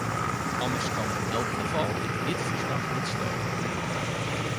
Anders kan in elk geval ik dit verslag niet steunen.